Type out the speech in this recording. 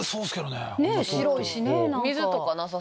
白いしね。